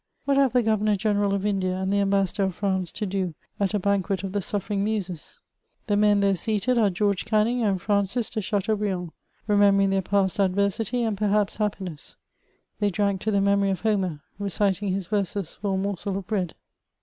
What have the Governor : general of Lidia and the Ambassador of France to do at a banquet of the sufFeriog Muses ? The men there seated are George Canning wd Francis de Chateaubriand, remembeiing ibeir past adversity and perhaps hi^iness : they drank to the memory of Homer, reciting his verses for a morsel of bread.